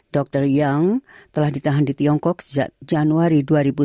dr yong telah ditahan di tiongkok sejak januari dua ribu sembilan belas